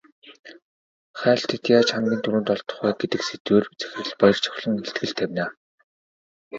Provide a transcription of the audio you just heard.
Хайлтад яаж хамгийн түрүүнд олдох вэ гэдэг сэдвээр захирал Баяржавхлан илтгэл тавина.